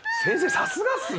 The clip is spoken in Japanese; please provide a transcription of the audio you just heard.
さすがっすね！